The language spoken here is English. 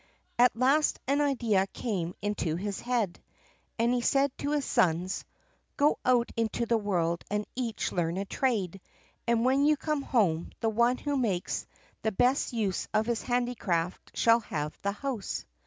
At last an idea came into his head, and he said to his sons: "Go out into the world, and each learn a trade, and when you come home, the one who makes best use of his handicraft shall have the house."